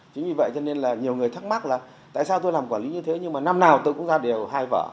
chính vì vậy cho nên là nhiều người thắc mắc là tại sao tôi làm quản lý như thế nhưng mà năm nào tôi cũng ra đều hai vở